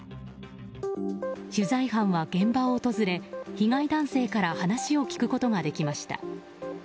取材班は、現場を訪れ被害男性から話を聞くことができました。